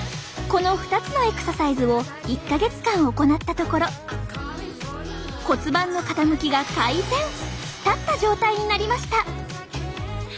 この２つのエクササイズを１か月間行ったところ立った状態になりました。